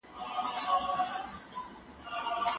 نظم او ډسپلین غواړي.